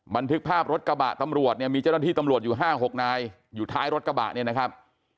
บันทึกภาพรถกระบะตำรวจเนี่ยมีเจ้าหน้าที่ตำรวจอยู่๕๖นายอยู่ท้ายรถกระบะเนี่ยนะครับ